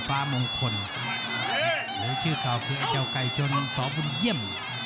ฟ้ามงคลหรือชื่อเก่าคือไอ้เจ้าไก่ชนสบุญเยี่ยม